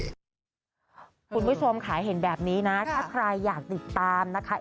คุณผู้ชมค่ะเห็นแบบนี้นะถ้าใครอยากติดตามนะคะ